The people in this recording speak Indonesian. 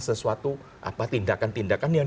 sesuatu tindakan tindakan yang